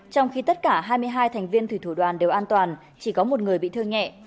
trong khi tất cả hai mươi hai thành viên thủy thủ đoàn đều an toàn chỉ có một người bị thương nhẹ